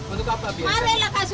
untuk apa biasanya